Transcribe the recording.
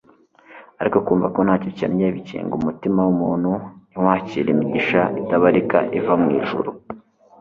ari ko kumva ko ntacyo ukennye bikinga umutima w'umuntu ntiwakire imigisha itabarika iva mu ijuru